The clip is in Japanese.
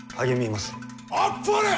あっぱれ！